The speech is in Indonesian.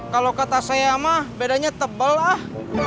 kalau kata saya mah bedanya tebal ah